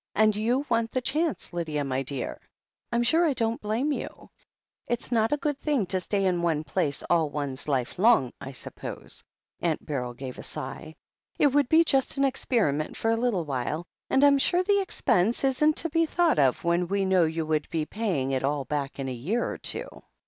And you want the chance, Lydia, my dear. I'm sure I don't blame you. It's not a good thing to stay in one place all one's life long, I suppose." Aunt Beryl gave a sigh. "It would be just an experiment for a little while, and Fm sure the expense isn't to be thought of when we know you would be paying it all back in a year or two."